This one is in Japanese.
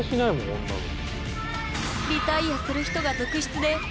こんなの。